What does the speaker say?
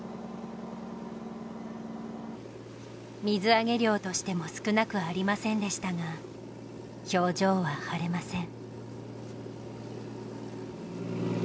水揚げ量としても少なくありませんでしたが表情は晴れません。